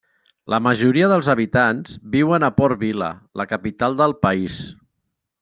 La majoria dels habitants viuen a Port Vila, la capital del país.